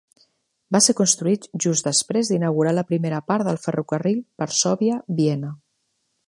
Va ser construït just després d'inaugurar la primera part del ferrocarril Varsòvia-Viena.